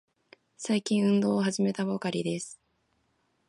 最近、運動を始めたばかりです。